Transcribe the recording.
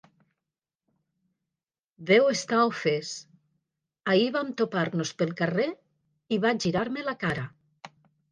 Deu estar ofès: ahir vam topar-nos pel carrer i va girar-me la cara.